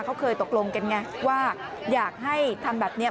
เขาเคยตกลงกันไงว่าอยากให้ทำแบบนี้